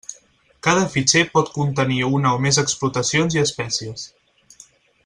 Cada fitxer pot contenir una o més explotacions i espècies.